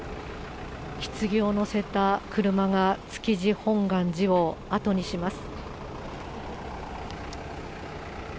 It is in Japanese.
ひつぎを乗せた車が築地本願寺を後にします。